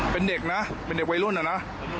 เป็นเด็กนะเป็นเด็กวัยรุ่นนะ